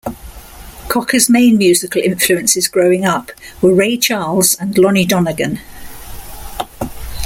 Cocker's main musical influences growing up were Ray Charles and Lonnie Donegan.